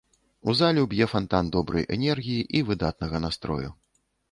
У залю б'е фантан добрай энергіі і выдатнага настрою.